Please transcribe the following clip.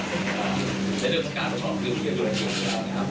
ในเรื่องของการตรวจสอบคือที่เราอยู่ในจุดของเรานะครับ